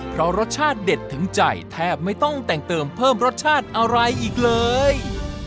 เพราะรสชาติเด็ดถึงใจแทบไม่ต้องแต่งเติมเพิ่มรสชาติอะไรอีกเลย